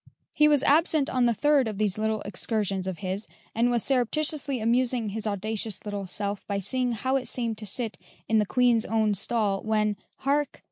He was absent on the third of these little excursions of his, and was surreptitiously amusing his audacious little self by seeing how it seemed to sit in the Oueen's own stall, when hark!